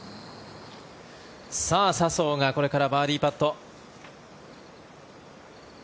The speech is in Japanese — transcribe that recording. さあ、笹生がこれからバーディーパット。